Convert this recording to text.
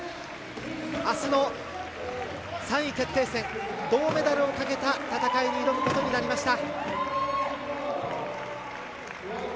あすの３位決定戦銅メダルをかけた戦いに挑むことになりました。